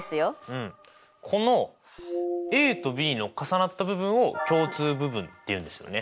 うんこのＡとＢの重なった部分を共通部分って言うんですよね。